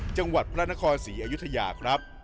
จังหวัดพระนครศรีอยุธยาครับ